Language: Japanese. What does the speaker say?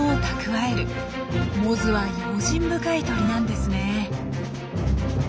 モズは用心深い鳥なんですね。